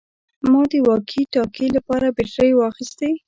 ما د واکي ټاکي لپاره بیټرۍ واخیستې